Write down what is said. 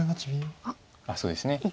あっそうですね。